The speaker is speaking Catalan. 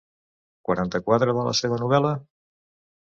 Quaranta-quatre de la seva novel·la?